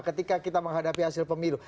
ketika kita menghadapi hasil pemilu